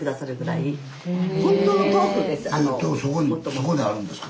そこにあるんですか？